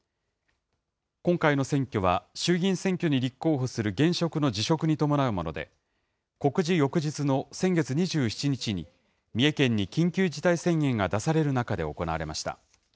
今回の選挙は、衆議院選挙に立候補する現職の辞職に伴うもので、告示翌日の先月２７日に、三重県に緊急事態宣言が出される中で行われました。